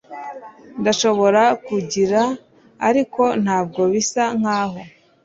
Ndashobora kugira ariko ntabwo bisa nkaho